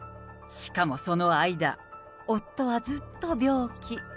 しかもその間、夫はずっと病気。